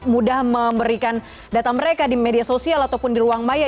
mudah memberikan data mereka di media sosial ataupun di ruang maya